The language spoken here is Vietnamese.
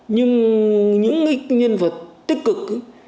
nhưng những nhân vật tích cực